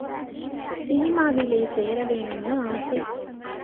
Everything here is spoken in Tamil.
சினிமாவிலே சேரவேணும்னு ஆசை.